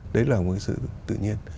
đấy là một cái sự tự nhiên